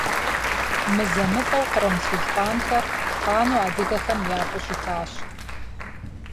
Мызэ-мытӀэу кърым сулътӀанхэр къану адыгэхэм япӀу щытащ.